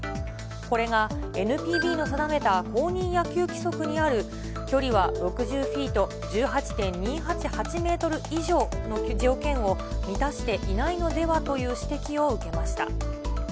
これがＮＰＢの定めた、公認野球規則にある距離は６０フィート、１８．２８８メートル以上の条件を満たしていないのではという指摘を受けました。